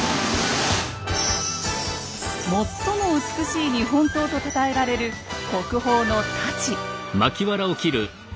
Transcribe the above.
最も美しい日本刀とたたえられる国宝の太刀。